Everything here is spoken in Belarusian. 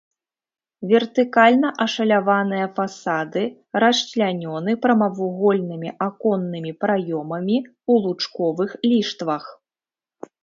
Вертыкальна ашаляваныя фасады расчлянёны прамавугольнымі аконнымі праёмамі ў лучковых ліштвах.